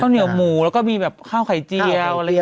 เหนียวหมูแล้วก็มีแบบข้าวไข่เจียวอะไรอย่างนี้